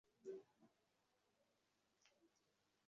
খুব শীঘ্রই পেরুতেও মমির সন্ধান পাওয়া যায়।